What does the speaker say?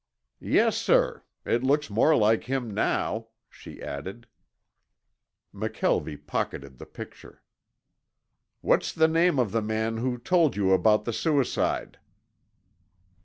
"Yes, sir. It looks more like him now," she added. McKelvie pocketed the picture. "What's the name of the man who told you about the suicide?"